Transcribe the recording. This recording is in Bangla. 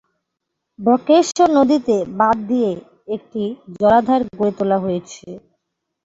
বক্রেশ্বর নদীতে বাঁধ দিয়ে একটি জলাধার গড়ে তোলা হয়েছে।